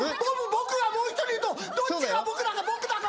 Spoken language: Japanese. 僕がもう一人いるとどっちが僕だか僕だか。